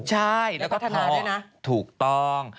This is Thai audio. ใช่แล้วก็ทอถูกต้อง